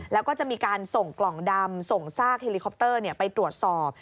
แล้วก็จะมีการส่งกล่องดำส่งซากเฮลิคอปเตอร์ไปตรวจสอบ